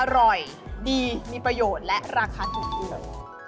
อร่อยดีมีประโยชน์และราคาถูกด้วย